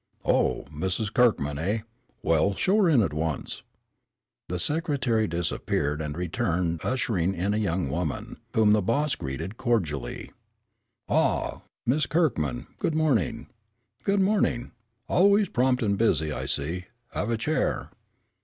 "Oh, Miss Kirkman, heh; well, show her in at once." The secretary disappeared and returned ushering in a young woman, whom the "boss" greeted cordially. "Ah, Miss Kirkman, good morning! Good morning! Always prompt and busy, I see. Have a chair."